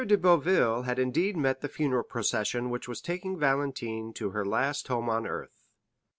de Boville had indeed met the funeral procession which was taking Valentine to her last home on earth.